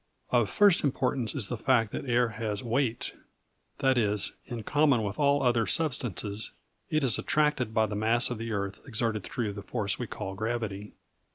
Of first importance is the fact that air has weight. That is, in common with all other substances, it is attracted by the mass of the earth exerted through the force we call gravity.